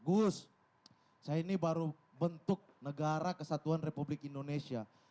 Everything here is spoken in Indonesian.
gus saya ini baru bentuk negara kesatuan republik indonesia